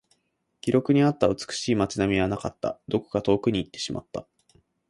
記録にあった美しい街並みはなかった。どこか遠くに行ってしまった。